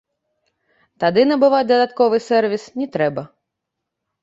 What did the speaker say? Тады набываць дадатковы сэрвіс не трэба.